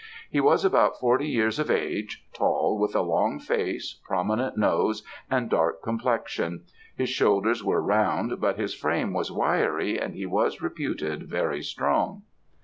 He was about forty years of age; tall, with a long face, prominent nose, and dark complexion; his shoulders were round, but his frame was wiry, and he was reputed very strong.